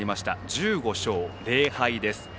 １５勝０敗です。